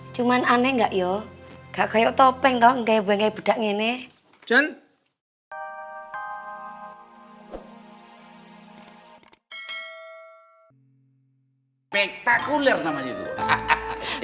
cuman aneh enggak yo kaya topeng toh enggak beda beda gini